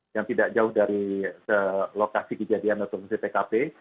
yang tidak jauh dari lokasi kejadian atau setkp